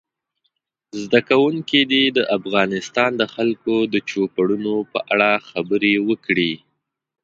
زده کوونکي دې د افغانستان د خلکو د چوپړونو په اړه خبرې وکړي.